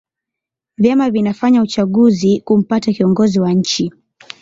vyama vinafanya uchaguzi kumpata kiongozi wa nchi